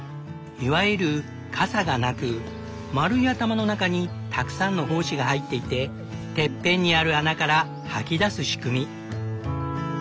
いわゆる「かさ」がなく丸い頭の中にたくさんの胞子が入っていててっぺんにある穴から吐き出す仕組み。